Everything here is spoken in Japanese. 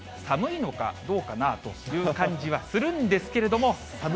寒いのかどうかなという感じはするんですけれども。